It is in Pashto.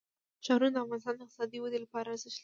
ښارونه د افغانستان د اقتصادي ودې لپاره ارزښت لري.